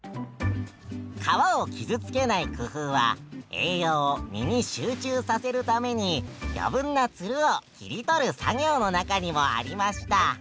皮を傷つけない工夫は栄養を実に集中させるために余分なつるを切り取る作業の中にもありました。